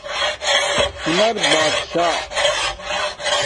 ہنز بات شاہ